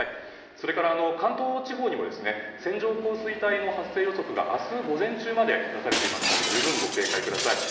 それから関東地方にも線状降水帯の発生予測が明日午前中まで出されていますから十分ご警戒ください。